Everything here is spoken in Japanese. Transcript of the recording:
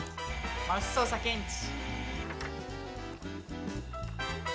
マウス操作検知。